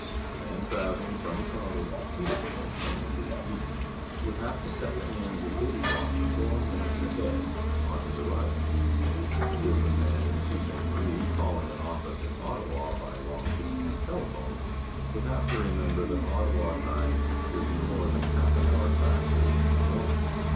A man travelling from Toronto to Peterborough, 1° east, would have to set the hands of his watch four minutes ahead on his arrival. A busi ness man in Rault 8te. Marie calling an office in Ottawa by long djstance telephone would have to remember that Ottawa time would be more than half an hour faster than his own.